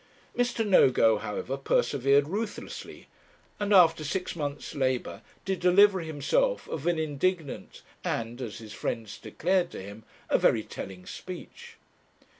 Mr. Nogo, however, persevered ruthlessly, and after six months' labour, did deliver himself of an indignant, and, as his friends declared to him, a very telling speech.